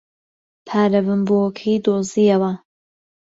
پارە ونبووەکەی دۆزییەوە.